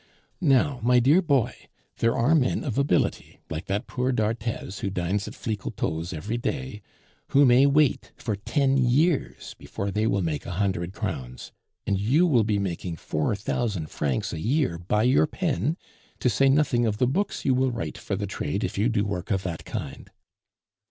Now, my dear boy, there are men of ability, like that poor d'Arthez, who dines at Flicoteaux's every day, who may wait for ten years before they will make a hundred crowns; and you will be making four thousand francs a year by your pen, to say nothing of the books you will write for the trade, if you do work of that kind.